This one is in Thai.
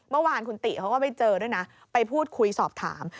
เมื่อวานคุณติเขาก็ไปเจอด้วยนะไปพูดคุยสอบถาม